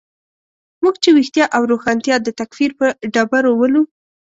موږ چې ویښتیا او روښانتیا د تکفیر په ډبرو ولو.